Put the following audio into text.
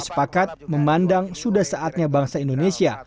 sepakat memandang sudah saatnya bangsa indonesia